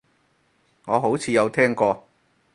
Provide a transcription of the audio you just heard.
我好似有聽過